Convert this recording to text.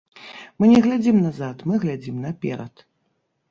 Мы не глядзім назад, мы глядзім наперад.